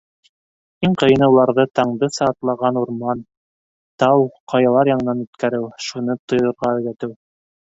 Иң ҡыйыны уларҙы Таңдыса атлаған урман, тау, ҡаялар янынан үткәреү, шуны тойорға өйрәтеү.